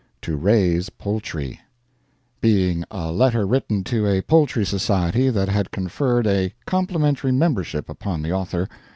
TO RAISE POULTRY [Being a letter written to a Poultry Society that had conferred a complimentary membership upon the author.